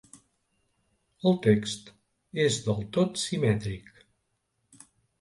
El text és del tot simètric.